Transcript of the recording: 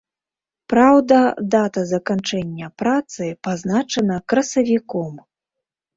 Праўда, дата заканчэння працы пазначана красавіком.